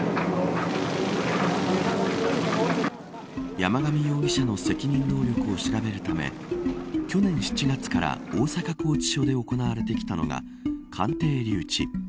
山上容疑者の責任能力を調べるため去年７月から大阪拘置所で行われてきたのが鑑定留置。